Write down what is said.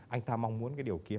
anh ta mong muốn cái điều kia